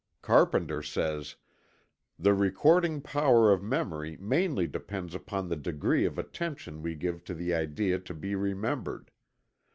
Carpenter says: "The recording power of memory mainly depends upon the degree of attention we give to the idea to be remembered.